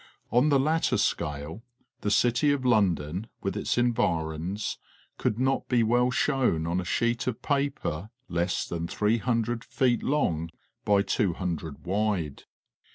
253 On the latter scale the'city of London with its environs could not be well shown on a sheet of paper less than 300 feet long by 200 wide.